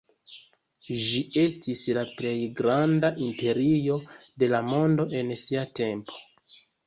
Ĝi estis la plej granda imperio de la mondo en sia tempo.